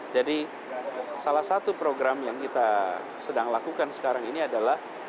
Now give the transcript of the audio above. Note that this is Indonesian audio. salah satu program yang kita sedang lakukan sekarang ini adalah